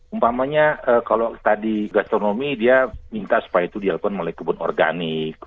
umpamanya kalau tadi gastronomi dia minta supaya itu diakukan melalui kebun organik